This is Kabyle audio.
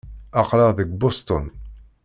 Aql-aɣ deg Boston.